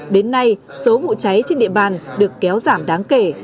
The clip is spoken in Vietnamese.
đến nay số vụ cháy trên địa bàn được kéo giảm đáng kể